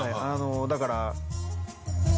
だから。